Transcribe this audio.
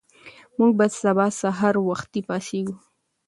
موږ به سبا سهار وختي پاڅېږو.